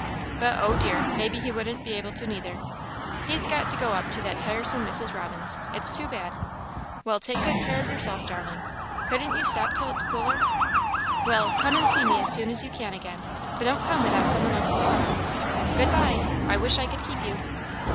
But, oh dear! maybe he wouldn't be able to neither; he's got to go up to that tiresome Mrs. Robin's; it's too bad. Well, take good care of yourself, darling; couldn't you stop till it's cooler? well, come and see me as soon as you can again, but don't come without some one else along! Good bye! I wish I could keep you."